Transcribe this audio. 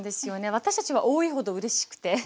私たちは多いほどうれしくて。